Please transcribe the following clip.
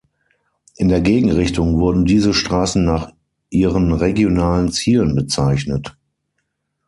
In der Gegenrichtung wurden diese Straßen nach ihren regionalen Zielen bezeichnet.